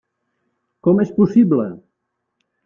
Com és possible?